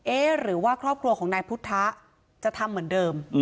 หรือว่าครอบครัวของนายพุทธะจะทำเหมือนเดิม